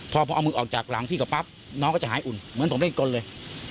พอเอามือออกจากหลังพี่เขาปั๊บน้องก็จะหายอุ่นเหมือนผมเล่นกลเลย